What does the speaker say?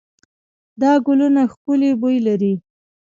دا ګلونه ښکلې بوی لري.